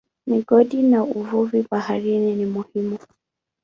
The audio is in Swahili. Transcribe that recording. Migodi na uvuvi baharini ni muhimu.